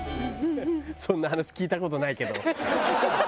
そんな話聞いた事ないけど。